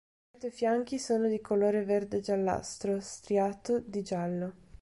Petto e fianchi sono di colore verde-giallastro striato di giallo.